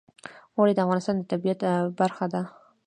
اوړي د افغانستان د طبیعت برخه ده.